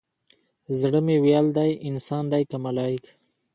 زړه مې ويل دى انسان دى كه ملايك؟